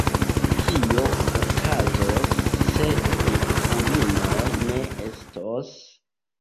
Kio okazos, se virgulinoj ne estos?